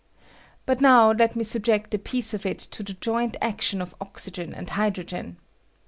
But now let me subject a piece of it to the joint action of o4y gen and hydrogen.